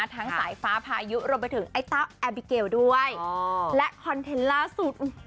สายฟ้าพายุรวมไปถึงไอ้เต้าแอบิเกลด้วยและคอนเทนต์ล่าสุด